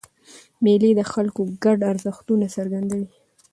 مېلې د خلکو ګډ ارزښتونه څرګندوي.